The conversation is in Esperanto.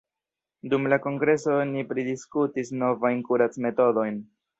Dum la kongreso oni pridiskutis novajn kuracmetodojn.